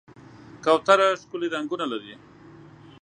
کوتره ښکلي رنګونه لري.